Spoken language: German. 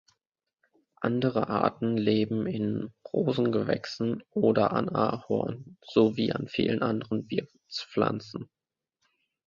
Andere Arten leben in Rosengewächsen oder an Ahorn sowie an vielen anderen Wirtspflanzen.